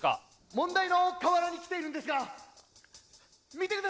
「問題の河原に来ているんですが見てください